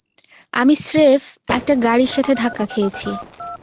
আমি স্রেফ, একটা গাড়ির সাথে ধাক্কা খেয়েছি।